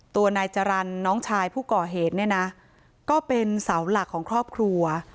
ตัวนายจรรย์น้องชายผู้ก่อเหตุเนี่ยนะก็เป็นเสาหลักของครอบครัว